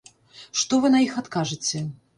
Што вы на іх адкажыце?